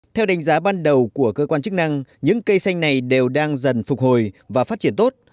theo đánh giá ban đầu của cơ quan chức năng những cây xanh này đều đang dần phục hồi và phát triển tốt